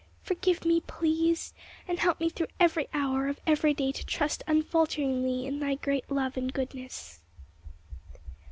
Forgive me, please, and help me through every hour of every day to trust unfalteringly in thy great love and goodness."